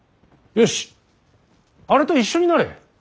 よしあれと一緒になれ。